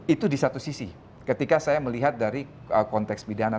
itu di satu sisi ketika saya melihat dari konteks pidana